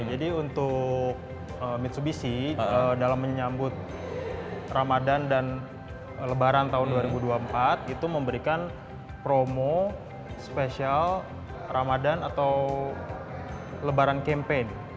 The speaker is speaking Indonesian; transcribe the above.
jadi untuk mitsubishi dalam menyambut ramadan dan lebaran tahun dua ribu dua puluh empat itu memberikan promo spesial ramadan atau lebaran campaign